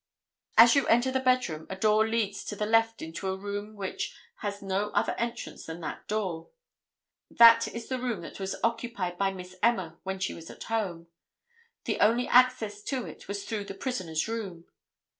As you enter the bedroom a door leads to the left into a room which has no other entrance than that door. That is the room that was occupied by Miss Emma when she was at home. The only access to it was through the prisoner's room.